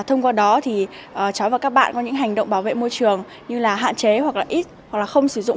thông qua đó cháu và các bạn có những hành động bảo vệ môi trường như hạn chế hoặc không sử dụng